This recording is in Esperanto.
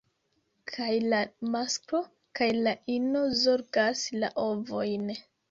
Kaj la masklo kaj la ino zorgas la ovojn.